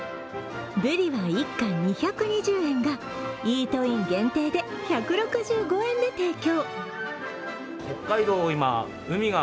ぶりは１貫２２０円がイートイン限定で１６５円で提供。